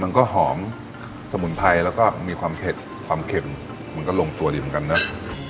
มันก็หอมสมุนไพรแล้วก็มีความเผ็ดความเค็มมันก็ลงตัวดีเหมือนกันเนอะ